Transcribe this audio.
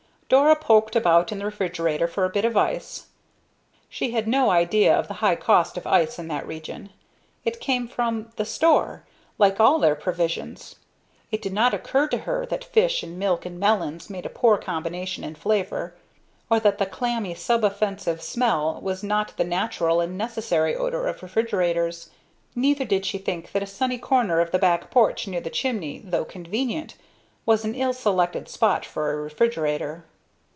Dora poked about in the refrigerator for a bit of ice. She had no idea of the high cost of ice in that region it came from "the store," like all their provisions. It did not occur to her that fish and milk and melons made a poor combination in flavor; or that the clammy, sub offensive smell was not the natural and necessary odor of refrigerators. Neither did she think that a sunny corner of the back porch near the chimney, though convenient, was an ill selected spot for a refrigerator.